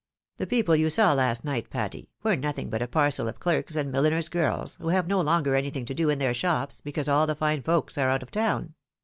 The people you saw last night, Patty, were nothing but a parcel of clerks and milliners' girls, who have no longer anything to do in their shops, because all the fine folks are out of town."